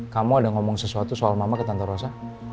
kamu ada ngomong sesuatu soal mama ke tante rosa